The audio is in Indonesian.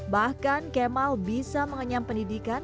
bahkan kemal bisa mengenyam pendidikan